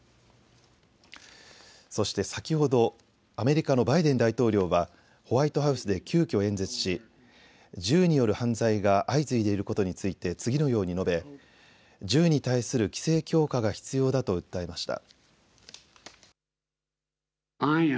そして先ほどアメリカのバイデン大統領はホワイトハウスで急きょ演説し銃による犯罪が相次いでいることについて次のように述べ銃に対する規制強化が必要だと訴えました。